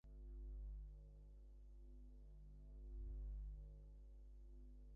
কাঠুরের কুটিরে, হ্যাঁ, পরিত্যক্তটা।